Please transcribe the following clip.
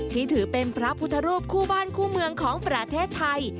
ที่ถือเป็นพระพุทธรูปคู่บ้านคู่เมืองของประเทศไทย